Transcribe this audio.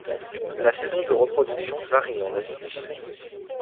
La saison de reproduction varie en Asie du Sud.